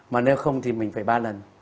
mà nếu không thì mình phải ba lần